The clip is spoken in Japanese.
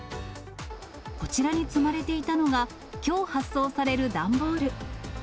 こちらに積まれていたのは、きょう発送される段ボール。